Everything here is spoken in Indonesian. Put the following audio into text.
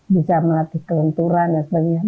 bisa melatih kelenturan dan sebagainya